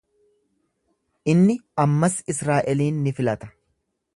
Inni ammas Israa’eliin ni filata.